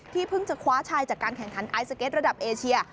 เพิ่งจะคว้าชัยจากการแข่งขันไอสเก็ตระดับเอเชีย